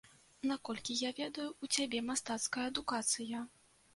Наколькі я ведаю, у цябе мастацкая адукацыя.